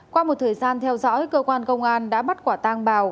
qua một thời gian theo dõi cơ quan công an đã bắt quả tang bào